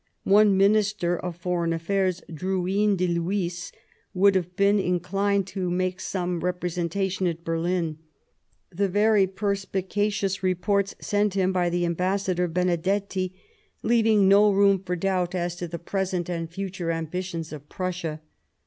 One Minister of Foreign Affairs, Biarritz *° Drou}Ti de Lhuys, would have been in clined to make some representation at Berlin ; the very perspicacious reports sent him by the Ambassador, Benedetti, leaving no room for 75 Bismarck doubt as to the present and future ambitions of Prussia.